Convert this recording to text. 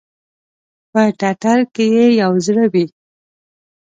په ټټر کې ئې یو زړه وی